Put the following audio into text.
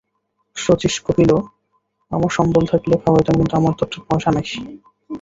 শচীশ কহিল, আমার সম্বল থাকিলে খাওয়াইতাম, কিন্তু আমার তো পয়সা নাই।